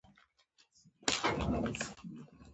له همدې کبله دا نهنګ لیدل کیږي